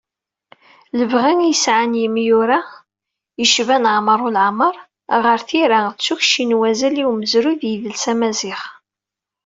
Lebɣi i yesɛan yimyura, yecban Ɛumer Uleɛmara, ɣer tira d tukci n wazal i umezruy d yidles amaziɣ.